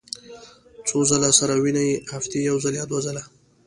څو ځله سره وینئ؟ هفتې یوځل یا دوه ځله